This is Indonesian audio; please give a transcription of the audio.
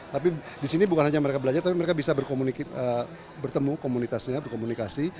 tapi di sini bukan hanya mereka belajar tapi mereka bisa bertemu komunitasnya berkomunikasi